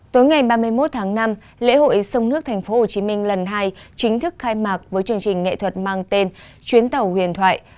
tối ngày ba mươi một tháng năm lễ hội sông nước thành phố hồ chí minh lần hai chính thức khai mạc với chương trình nghệ thuật mang tên chuyến tàu huyền thoại